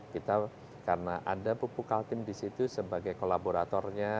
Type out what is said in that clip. kita karena ada bupuk altim disitu sebagai kolaboratornya